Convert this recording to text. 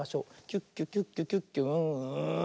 キュッキュキュッキュキュッキュウーン！